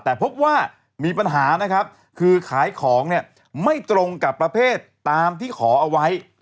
แต่พบว่ามีปัญหานะครับคือขายของเนี่ยไม่ตรงกับประเภทตามที่ขอเอาไว้